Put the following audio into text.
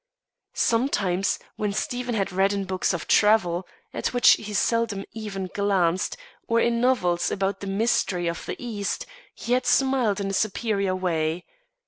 Sometimes, when Stephen had read in books of travel (at which he seldom even glanced), or in novels, about "the mystery of the East," he had smiled in a superior way.